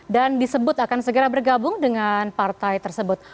dan disebut akan segera bergabung dengan partai tersebut